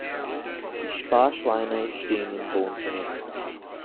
Die Sparschweine stehen im Wohnzimmer.